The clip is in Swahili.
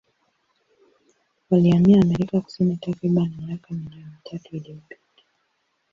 Walihamia Amerika Kusini takribani miaka milioni tatu iliyopita.